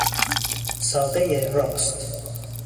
ساقهی راست